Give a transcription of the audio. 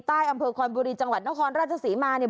ใต้อำเภอคอนบุรีจังหวัดนครราชศรีมาเนี่ย